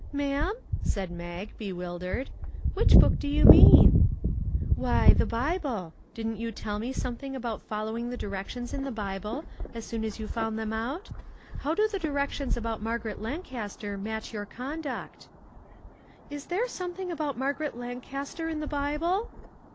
" Ma'am? " said Mag, bewildered; " which book do you mean ?"" Why, the Bible. Didn't you tell me some thing about following the directions in the Bi ble as soon as you found them out? How do the directions about Margaret Lancaster match your conduct ?"" Is there something about Margaret Lan caster in the Bible